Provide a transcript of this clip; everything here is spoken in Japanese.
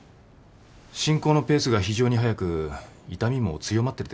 進行のペースが非常にはやく痛みも強まってるでしょうね。